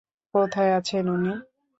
কোথায় আছেন উনি?